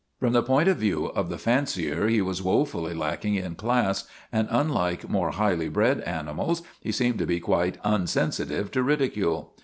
From the point of view of the fancier he was woefully lacking in class, and unlike more highly bred animals he seemed to be quite unsensitive to ridicule.